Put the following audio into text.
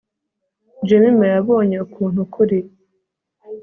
jemima yabonye ukuntu ukuri